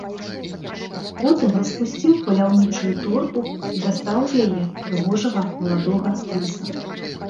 Потым распусціў паляўнічую торбу і дастаў з яе прыгожага маладога ліса.